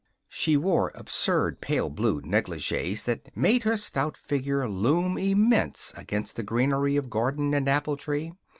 She wore absurd pale blue negligees that made her stout figure loom immense against the greenery of garden and apple tree.